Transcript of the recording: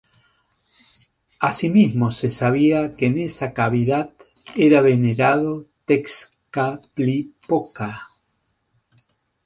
Asimismo, se sabía que en esa cavidad era venerado Tezcatlipoca.